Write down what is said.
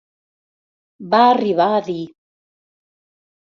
Va arribar a dir.